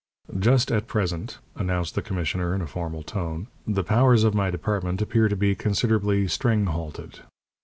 "Just at present," announced the commissioner, in a formal tone, "the powers of my department appear to be considerably string halted.